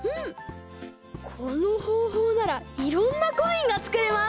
このほうほうならいろんなコインがつくれます！